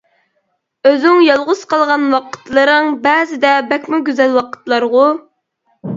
ئۆزۈڭ يالغۇز قالغان ۋاقىتلىرىڭ بەزىدە بەكمۇ گۈزەل ۋاقىتلارغۇ!